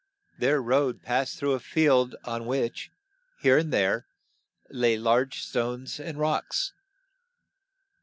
Their road passed through a field on which, here and there, lay large stones and rocks.